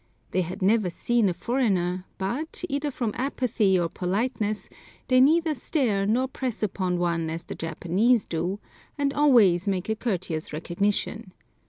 They had never seen a foreigner, but, either from apathy or politeness, they neither stare nor press upon one as the Japanese do, and always make a courteous recognition.